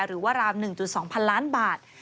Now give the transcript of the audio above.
หรือว่าราม๑๒พันล้านบาท